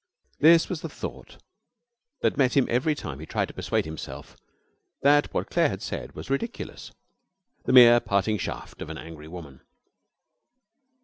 This was the thought that met him every time he tried to persuade himself that what Claire had said was ridiculous, the mere parting shaft of an angry woman.